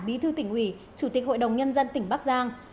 bí thư tỉnh ủy chủ tịch hội đồng nhân dân tỉnh bắc giang